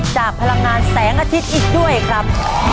พลังงานแสงอาทิตย์อีกด้วยครับ